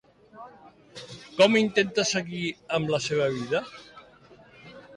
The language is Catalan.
Com intenta seguir amb la seva vida?